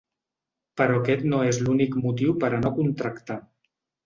Però aquest no és l’únic motiu per a no contractar.